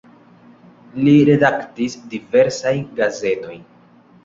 Li redaktis diversajn gazetojn.